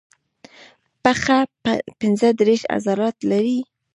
پښه پنځه دیرش عضلات لري.